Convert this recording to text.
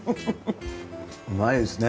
うまいですね。